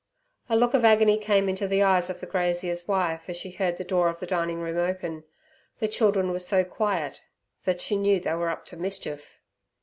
A look of agony came into the eyes of the grazier's wife as she heard the door of the dining room open. The children were so quiet, that she knew they were up to mischief.